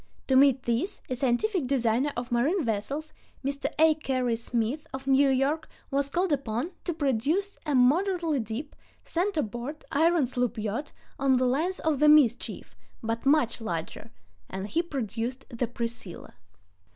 To meet this, a scientific designer of marine vessels, Mr. A. Cary Smith of New York, was called upon to produce a moderately deep, center board, iron sloop yacht on the lines of the Mischief, but much larger, and he produced the Priscilla.